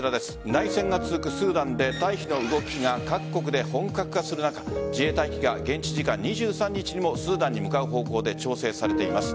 内戦が続くスーダンで退避の動きが各国で本格化する中自衛隊機が現地時間２３日にもスーダンに向かう方向で調整されています。